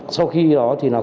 sau khi đó thì nó có